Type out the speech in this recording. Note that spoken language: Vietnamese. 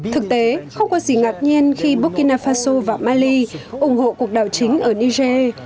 thực tế không có gì ngạc nhiên khi burkina fasu và mali ủng hộ cuộc đảo chính ở niger